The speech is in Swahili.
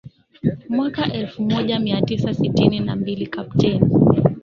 mwaka elfu moja mia tisa sitini na mbili Kapteni